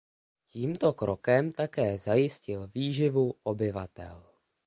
Tímto krokem také zajistil výživu obyvatel.